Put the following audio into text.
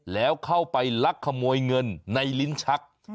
แล้วเข้าไปลักขโมยเงินในลิ้นชัก